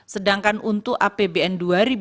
sedangkan untuk apbn dua ribu dua puluh